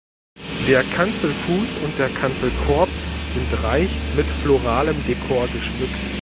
Der Kanzelfuß und der Kanzelkorb sind reich mit floralem Dekor geschmückt.